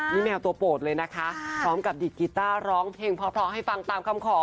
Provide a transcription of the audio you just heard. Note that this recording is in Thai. นี่แมวตัวโปรดเลยนะคะพร้อมกับดิดกีต้าร้องเพลงเพราะให้ฟังตามคำขอ